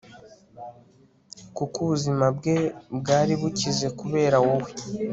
kuko ubuzima bwe bwari bukize kubera wowe